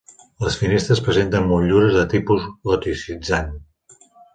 Les finestres presenten motllures de tipus goticitzant.